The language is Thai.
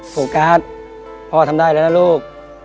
โฟกัสพ่อทำได้แล้วนะลูก